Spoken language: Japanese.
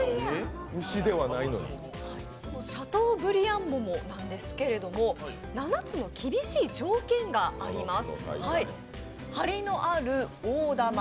シャトーブリアン桃なんですけども、７つの厳しい条件があります。